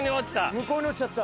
向こうに落ちちゃった。